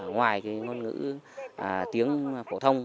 ngoài ngôn ngữ tiếng phổ thông